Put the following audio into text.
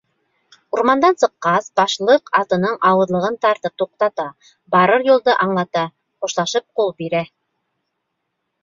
Урмандан сыҡҡас, башлыҡ атының ауыҙлығын тартып туҡтата, барыр юлды аңлата, хушлашып ҡул бирә!